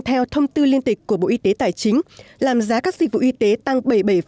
theo thông tư liên tịch của bộ y tế tài chính làm giá các dịch vụ y tế tăng bảy mươi bảy năm mươi bảy